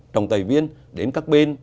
trọng tài viên đến các bên